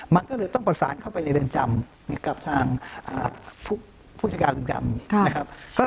มันก็เลยต้องประสานเข้าไปในเรือนจำกับทางผู้จัดการเรือนจำนะครับ